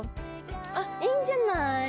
あっ、いいんじゃない？